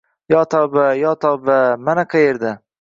Yo tavba… yo tavba… Mana qaerda